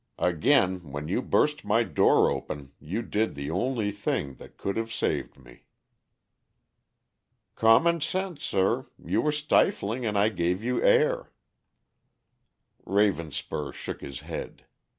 Again, when you burst my door open you did the only thing that could have saved me." "Common sense, sir. You were stifling and I gave you air." Ravenspur shook his head.